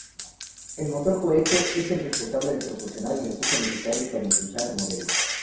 El motor-cohete es el responsable de proporcionar el empuje necesario para impulsar el modelo.